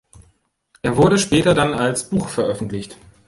Er wurde später dann als Buch veröffentlicht.